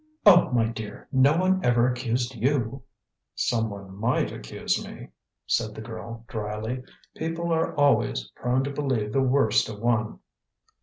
"Oh, my dear! no one ever accused you." "Someone might accuse me," said the girl dryly. "People are always prone to believe the worst of one."